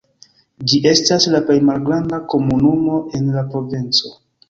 Ĝi estas la plej malgranda komunumo en la provinco.